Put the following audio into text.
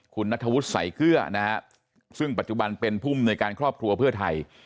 คุณนัทธวุฒิใส่เกลือนะฮะซึ่งปัจจุบันเป็นผู้มนวยการครอบครัวเพื่อไทย